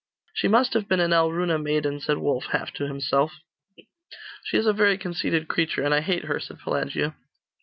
'She must have been an Alruna maiden,' said Wulf, half to himself. 'She is a very conceited creature, and I hate her,' said Pelagia.